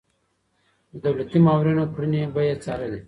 د دولتي مامورينو کړنې به يې څارلې.